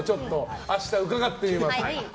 明日、伺ってみます。